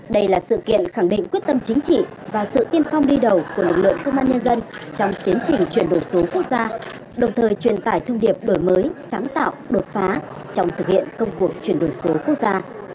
đây là sự kiện khẳng định quyết tâm chính trị và sự tiên phong đi đầu của lực lượng công an nhân dân trong tiến trình chuyển đổi số quốc gia đồng thời truyền tải thông điệp đổi mới sáng tạo đột phá trong thực hiện công cuộc chuyển đổi số quốc gia